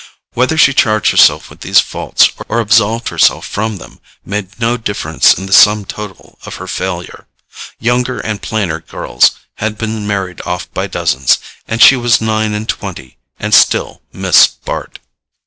Whether she charged herself with these faults or absolved herself from them, made no difference in the sum total of her failure. Younger and plainer girls had been married off by dozens, and she was nine and twenty, and still Miss Bart.